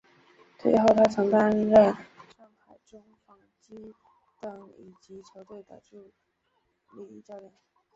退役后他曾经担任上海中纺机等乙级球队的助理教练。